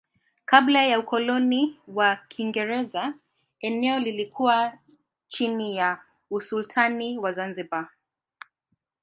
Kabla ya ukoloni wa Kiingereza eneo lilikuwa chini ya usultani wa Zanzibar.